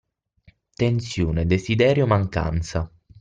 Tensione, desiderio, mancanza